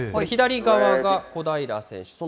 左側が小平選手。